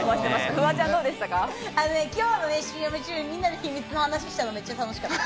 今日のＣＭ中、みんなで秘密の話したの、めっちゃ楽しかった。